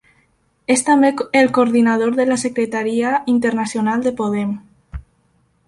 És també el coordinador de la Secretaria Internacional de Podem.